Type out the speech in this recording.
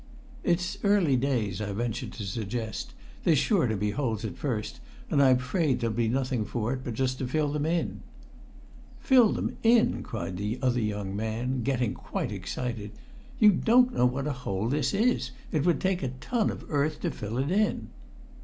"It's early days," I ventured to suggest; "there's sure to be holes at first, and I'm afraid there'll be nothing for it but just to fill them in." "Fill them in!" cried the other young man, getting quite excited. "You don't know what a hole this is; it would take a ton of earth to fill it in."